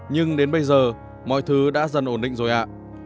nhưng đến bây giờ mọi thứ đã dần ổn định rồi ạ